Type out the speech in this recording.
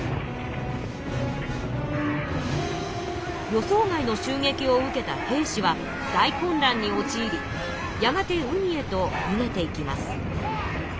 予想外のしゅうげきを受けた平氏は大混乱におちいりやがて海へとにげていきます。